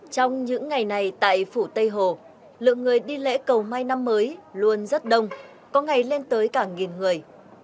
trong những ngày này tại phủ tây hồ lượng người đi lễ cầu mai năm mới luôn rất đông có ngày lên tới cả nghìn người